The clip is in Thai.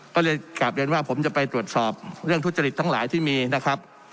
ก็เลยกลับเรียนว่าผมจะไปตรวจสอบเรื่องทุจริตทั้งหลายที่มีนะครับ